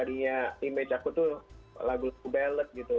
aning talked about afghan gakh tanggal berubah banget gitu